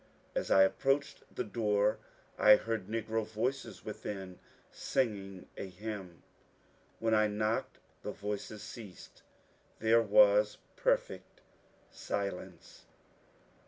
As I approached the door I heard negro voices within singing a hymn. When I knocked the voices ceased ; there was per fect silence.